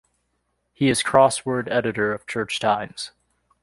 He is crossword editor of "Church Times".